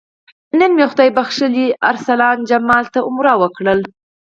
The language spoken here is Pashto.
نن مې خدای بښلي ارسلا جمال ته عمره وکړه.